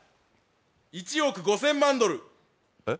・１億５０００万ドルえっ？